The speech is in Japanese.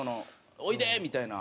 「おいで」みたいな。